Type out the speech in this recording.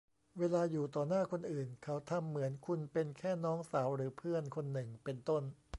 เวลาอยู่ต่อหน้าคนอื่นเขาทำเหมือนคุณเป็นแค่น้องสาวหรือเพื่อนคนหนึ่ง เป็นต้น